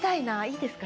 いいですか？